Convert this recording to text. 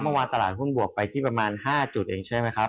เมื่อวานตลาดหุ้นบวกไปที่ประมาณ๕จุดเองใช่ไหมครับ